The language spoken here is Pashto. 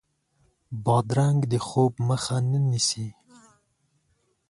بادرنګ د خوب مخه نه نیسي.